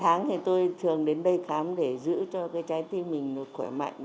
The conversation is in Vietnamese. sáu tháng thì tôi thường đến đây khám để giữ cho cái trái tim mình khỏe mạnh